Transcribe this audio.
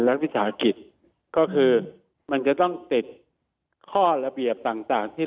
และวิสาหกิจก็คือมันจะต้องติดข้อระเบียบต่างที่